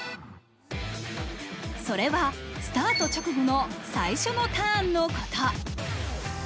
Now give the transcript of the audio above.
それはスタート直後の最初のターンのこと。